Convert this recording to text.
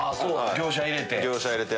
業者入れて？